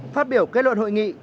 phát biểu kết luận hội nghị